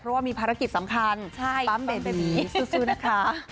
เพราะว่ามีภารกิจสำคัญปั๊มเบสสู้นะคะ